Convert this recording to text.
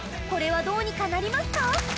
これはどうにかなりますか？